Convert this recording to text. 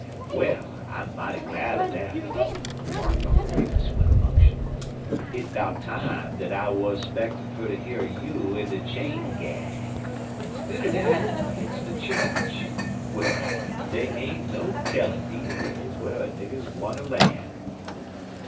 "Well, I'm mighty glad er dat," remarked Uncle Remus, with unction. "It's 'bout time dat I wuz spectin' fer ter hear un you in de chain gang, an', stidder dat, hit's de chu'ch. Well, dey ain't no tellin' deze days whar a nigger's gwineter lan'."